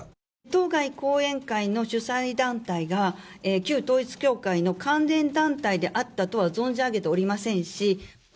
当該講演会の主催団体が旧統一教会の関連団体であったとは存じ上げておりませんし。